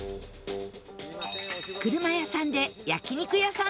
車屋さんで焼肉屋さん